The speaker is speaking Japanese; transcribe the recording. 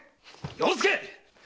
要助‼